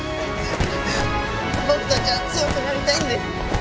僕たちは強くなりたいんです。